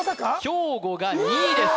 兵庫が２位です